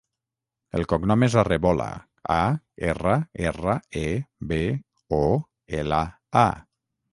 El cognom és Arrebola: a, erra, erra, e, be, o, ela, a.